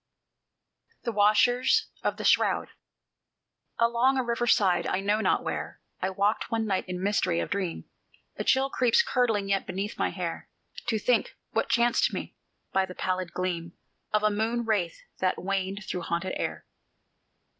THE WASHERS OF THE SHROUD Along a river side, I know not where, I walked one night in mystery of dream; A chill creeps curdling yet beneath my hair, To think what chanced me by the pallid gleam Of a moon wraith that waned through haunted air.